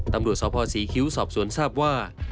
ตำรวจสภศรีคิ้วสอบสวนทราบว่า